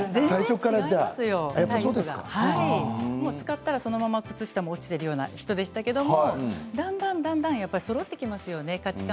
使ったらそのまま靴下が落ちているような人でしたけどだんだんだんだん価値観がそろってきますよね。